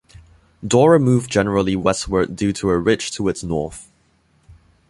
Dora moved generally westward due to a ridge to its north.